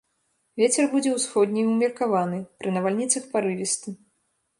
Вецер будзе ўсходні ўмеркаваны, пры навальніцах парывісты.